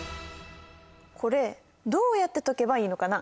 これどうやって解けばいいのかな？